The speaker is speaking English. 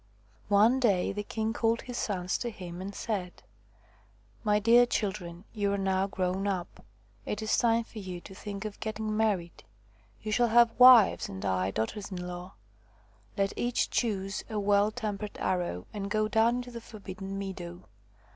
One day the king called his sons to him and said :" My dear children, you are now grown up. It is time for you to think of getting married. You shall have wives and I daughters in law. Let each choose a well tempered arrow and go down into the forbidden meadow.